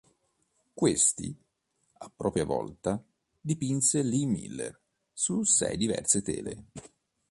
Questi, a propria volta, dipinse Lee Miller su sei diverse tele.